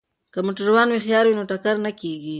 که موټروان هوښیار وي نو ټکر نه کیږي.